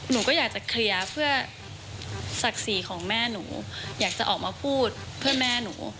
หนูก็อยากจะเคลียร์เพื่อศักดิ์ศรีของแม่หนูอยากจะออกมาพูดเพื่อแม่หนู